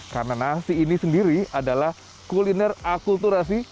karena nasi ini sendiri adalah kuliner akulturasi